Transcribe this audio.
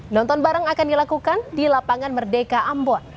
nonton bareng akan dilakukan di lapangan merdeka ambon